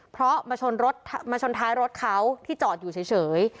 เพราะมาชนท้ายรถเขาที่จอดอยู่เฉย